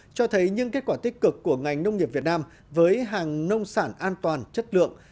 cho thấy những kết quả tích cực của ngành nông nghiệp việt nam với hàng nông sản an toàn chất lượng